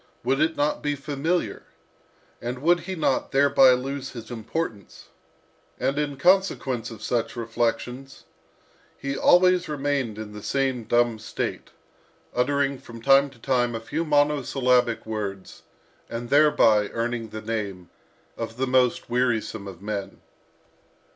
Would it not be familiar? And would he not thereby lose his importance?" And in consequence of such reflections, he always remained in the same dumb state, uttering from time to time a few monosyllabic sounds, and thereby earning the name of the most wearisome of men.